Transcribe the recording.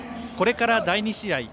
これから第２試合。